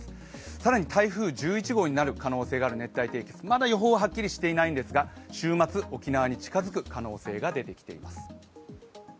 更に台風１１号になる可能性のある熱帯低気圧、まだ予報ははっきりしていないんですが週末、沖縄に近づく可能性が出てきています。